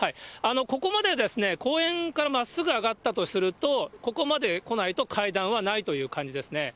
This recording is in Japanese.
ここまで公園からまっすぐ上がったとすると、ここまで来ないと階段はないという感じですね。